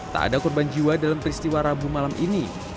tak ada korban jiwa dalam peristiwa rabu malam ini